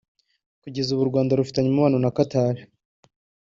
Kugeza ubu u Rwanda rufitanye umubano na Qatar